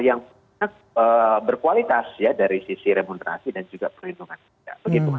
yang berkualitas ya dari sisi remunerasi dan juga perlindungan